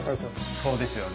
そうですね。